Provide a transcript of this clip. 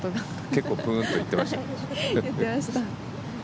結構プーンと言っていました？